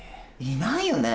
いないよね。